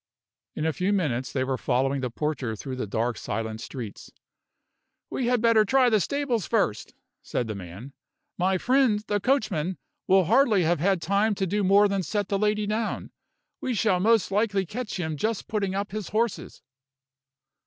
In a few minutes they were following the porter through the dark, silent streets. "We had better try the stables first," said the man. "My friend, the coachman, will hardly have had time to do more than set the lady down. We shall most likely catch him just putting up his horses."